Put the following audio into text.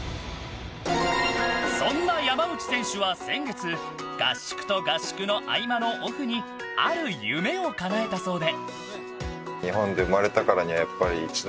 そんな山内選手は先月合宿と合宿の合間のオフにある夢をかなえたそうで。